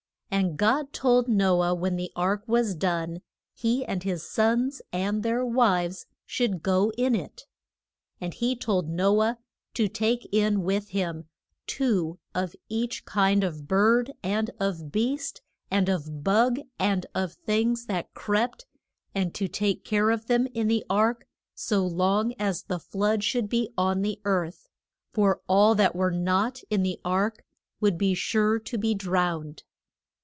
And God told No ah when the ark was done he and his sons and their wives should go in it. And he told No ah to take in with him two of each kind of bird and of beast, and of bug, and of things that crept, and to take care of them in the ark so long as the flood should be on the earth; for all that were not in the ark would be sure to be drowned.